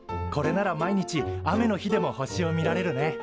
これなら毎日雨の日でも星を見られるね。